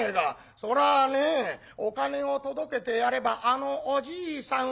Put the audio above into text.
「そりゃあねえお金を届けてやればあのおじいさんは喜ぶよ。